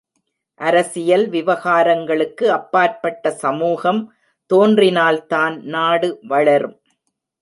அரசியல் விவகாரங்களுக்கு அப்பாற்பட்ட சமூகம் தோன்றினால்தான் நாடு வளரும்.